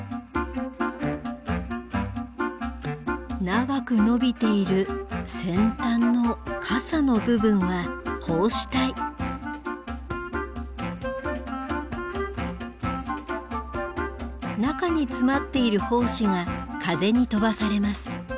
長く伸びている先端の傘の部分は中に詰まっている胞子が風に飛ばされます。